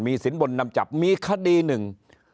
สินบนนำจับมีคดีหนึ่ง